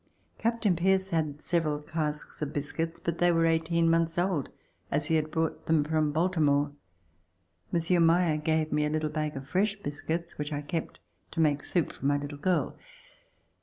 Captain Pease had several casks of biscuits, but they were eighteen months old, as he had brought them from Baltimore. Monsieur Meyer gave me a little bag of fresh biscuits which I kept to make soup for my little girl.